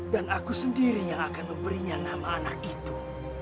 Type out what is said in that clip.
dan aku sendiri yang akan memberinya nama anak itu